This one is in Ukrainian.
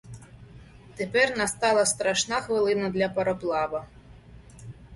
Тепер настала страшна хвилина для пароплава.